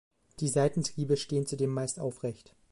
Die Seitentriebe stehen zudem meist aufrecht.